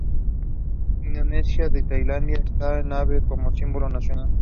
Indonesia y Tailandia tienen esta ave como símbolo nacional.